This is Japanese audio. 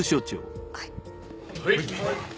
はい。